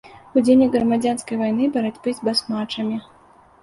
Удзельнік грамадзянскай вайны, барацьбы с басмачамі.